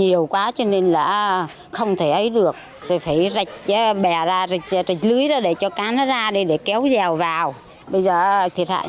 điều này đang gây ra rất nhiều thiệt hại lớn cho người dân địa phương